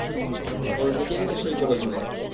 ওর নিজেরই তো সেই গরজ নেই।